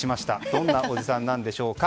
どんなおじさんなんでしょうか。